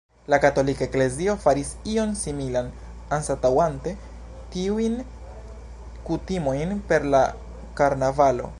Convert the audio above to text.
La katolika eklezio faris ion similan anstataŭante tiujn kutimojn per la karnavalo.